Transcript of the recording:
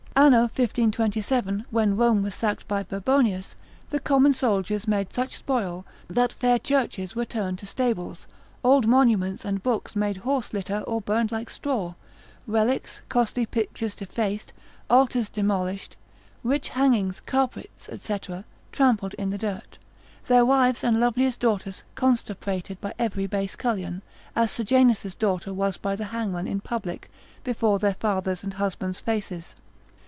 Anno 1527, when Rome was sacked by Burbonius, the common soldiers made such spoil, that fair churches were turned to stables, old monuments and books made horse litter, or burned like straw; relics, costly pictures defaced; altars demolished, rich hangings, carpets, &c., trampled in the dirt. Their wives and loveliest daughters constuprated by every base cullion, as Sejanus' daughter was by the hangman in public, before their fathers and husbands' faces.